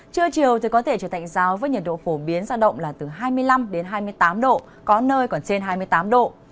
trưa chiều thì có thể trở tạnh giáo với nhiệt độ phổ biến ra động là từ hai mươi năm đến hai mươi tám độ có nơi còn trên hai mươi tám độ